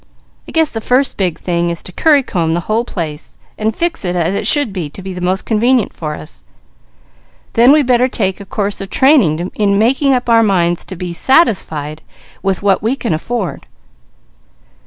I guess the first big thing is to currycomb the whole place, and fix it as it should be to be most convenient for us. Then we better take a course of training in making up our minds to be satisfied with what we can afford.